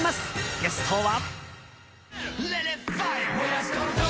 ゲストは。